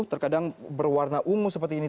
terkadang berwarna ungu seperti ini